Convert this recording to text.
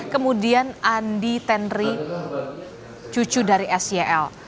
kemudian andi tenri cucu dari sel